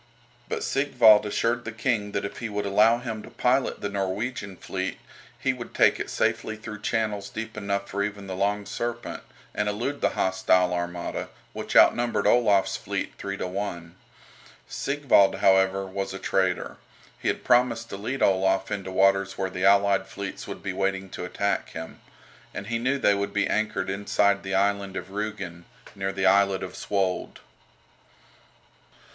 But Sigvald assured the King that if he would allow him to pilot the Norwegian fleet he would take it safely through channels deep enough for even the "Long Serpent," and elude the hostile armada, which outnumbered Olaf's fleet three to one. Sigvald, however, was a traitor. He had promised to lead Olaf into waters where the allied fleets would be waiting to attack him. And he knew they would be anchored inside the island of Rügen, near the islet of Svold.